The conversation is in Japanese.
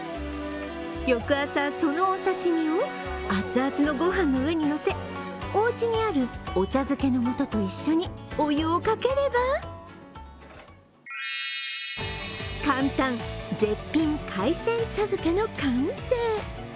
翌朝、そのお刺身を熱々の御飯の上にのせおうちにあるお茶漬けのもとと一緒にお湯をかければ簡単、絶品海鮮茶漬けの完成。